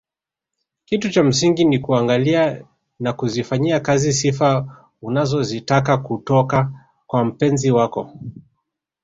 Kitu cha msingi ni kuangalia na kuzifanyia kazi sifa unazozitaka kutoka kwa mpenzi wako